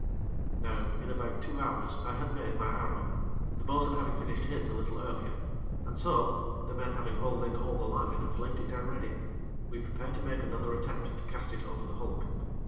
Now, in about two hours, I had made my arrow, the bo'sun having finished his a little earlier, and so (the men having hauled in all the line and flaked it down ready) we prepared to make another attempt to cast it over the hulk.